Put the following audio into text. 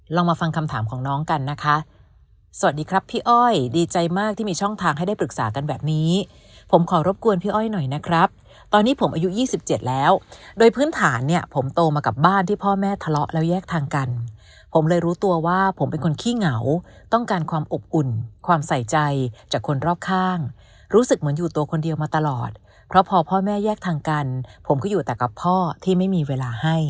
มาฟังคำถามของน้องกันนะคะสวัสดีครับพี่อ้อยดีใจมากที่มีช่องทางให้ได้ปรึกษากันแบบนี้ผมขอรบกวนพี่อ้อยหน่อยนะครับตอนนี้ผมอายุ๒๗แล้วโดยพื้นฐานเนี่ยผมโตมากับบ้านที่พ่อแม่ทะเลาะแล้วแยกทางกันผมเลยรู้ตัวว่าผมเป็นคนขี้เหงาต้องการความอบอุ่นความใส่ใจจากคนรอบข้างรู้สึกเหมือนอยู่ตัวคนเดียวมาตลอดเพราะพอพ่อแม่แยกทางกันผมก็อยู่แต่กับพ่อที่ไม่มีเวลาให้